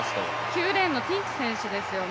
９レーンのティンチ選手ですよね。